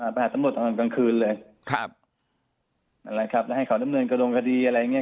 ไปหาตำรวจตอนกลางคืนเลยครับนั่นแหละครับแล้วให้เขาดำเนินกระดงคดีอะไรอย่างเงี้